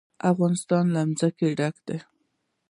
افغانستان له ځمکه ډک دی.